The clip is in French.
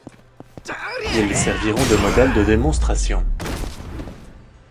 Ils serviront de modèle de démonstration.